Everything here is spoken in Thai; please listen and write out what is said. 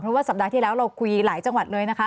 เพราะว่าสัปดาห์ที่แล้วเราคุยหลายจังหวัดเลยนะคะ